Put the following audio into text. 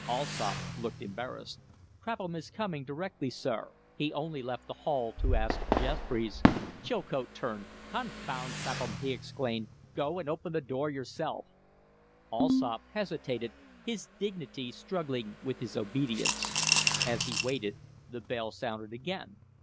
Allsopp looked embarrassed. "Crapham is coming directly, sir. He only left the hall to ask Jeffries " Chilcote turned. "Confound Crapham!" he exclaimed. "Go and open the door yourself." Allsopp hesitated, his dignity struggling with his obedience. As he waited, the bell sounded again.